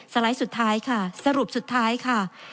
ไลด์สุดท้ายค่ะสรุปสุดท้ายค่ะ